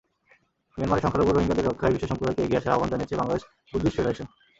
মিয়ানমারে সংখ্যালঘু রোহিঙ্গাদের রক্ষায় বিশ্বসম্প্রদায়কে এগিয়ে আসার আহ্বান জানিয়েছে বাংলাদেশ বুড্ডিস্ট ফেডারেশন।